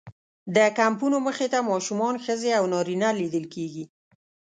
د کمپونو مخې ته ماشومان، ښځې او نارینه لیدل کېږي.